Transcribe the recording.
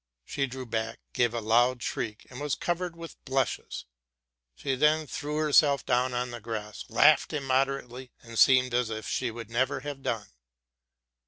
'' She drew back, gave a loud shriek, and was covered with blushes: she then threw her self down on the grass, laughed immoderately, and seemed as if she would never have done.